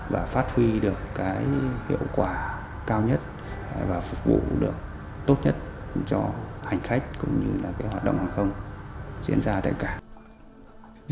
và phát huy được cái hiệu quả cao nhất và phục vụ được tốt nhất cho hành khách cũng như là cái hoạt động hàng không diễn ra tại cảng